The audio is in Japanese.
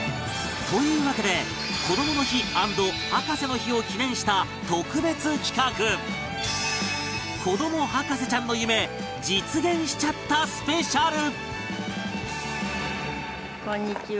というわけでこどもの日＆博士の日を記念した特別企画子ども博士ちゃんの夢実現しちゃったスペシャル